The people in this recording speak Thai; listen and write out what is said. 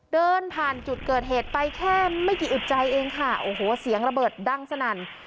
เดินผ่านจุดเกิดเหตุไปแค่ไม่กี่อึดใจเองค่ะโอ้โหเสียงระเบิดดังสนั่น